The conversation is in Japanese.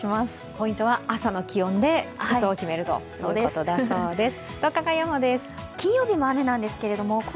ポイントは朝の気温で服装を決めるということだそうです。